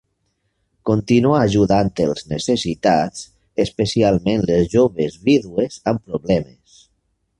Continuà ajudant els necessitats, especialment les joves vídues amb problemes.